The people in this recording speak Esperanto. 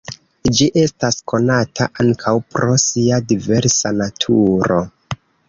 Ĝi estas konata ankaŭ pro sia diversa naturo.